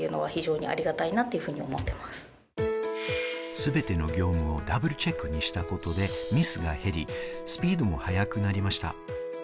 すべての業務をタブルチェックにしたことで、ミスが減り、スピードも早くなりました。